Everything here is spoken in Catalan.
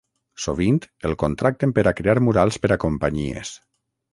Sovint el contracten per a crear murals per a companyies.